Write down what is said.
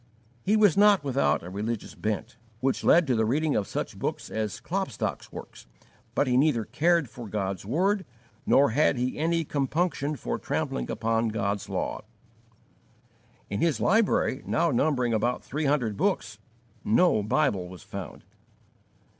He was not without a religious bent, which led to the reading of such books as Klopstock's works, but he neither cared for God's word, nor had he any compunction for trampling upon God's law. In his library, now numbering about three hundred books, no Bible was found.